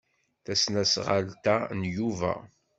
Tasnasɣalt-a n Yuba.